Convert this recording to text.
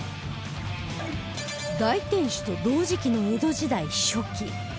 大天守と同時期の江戸時代初期